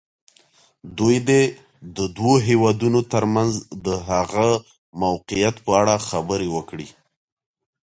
دوی دې د دوو هېوادونو تر منځ د هغه موقعیت په اړه خبرې وکړي.